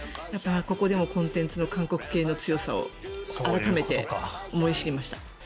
ここでも全コンテンツの韓国系の強さを改めて思い知りました。